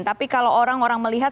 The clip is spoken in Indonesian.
tapi kalau orang orang melihat